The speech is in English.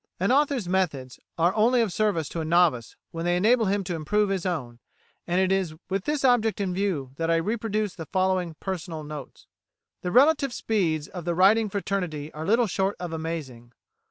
An author's methods are only of service to a novice when they enable him to improve his own; and it is with this object in view that I reproduce the following personal notes. The relative speeds of the writing fraternity are little short of amazing.